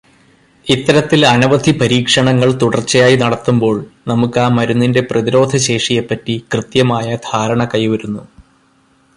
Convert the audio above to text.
ഇത്തരത്തിൽ അനവധി പരീക്ഷണങ്ങൾ തുടർച്ചയായി നടത്തുമ്പോൾ നമുക്ക് ആ മരുന്നിന്റെ പ്രതിരോധശേഷിയെപ്പറ്റി കൃത്യമായ ധാരണ കൈവരുന്നു.